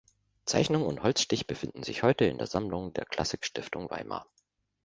Zeichnung und Holzstich befinden sich heute in der Sammlung der Klassik Stiftung Weimar.